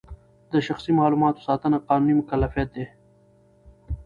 د شخصي معلوماتو ساتنه قانوني مکلفیت دی.